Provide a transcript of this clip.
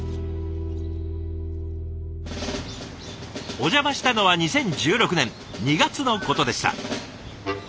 お邪魔したのは２０１６年２月のことでした。